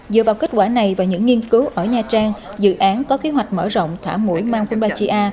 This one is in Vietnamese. dựa vào kết quả này và những nghiên cứu ở nha trang dự án có kế hoạch mở rộng thả mũi mangonpachia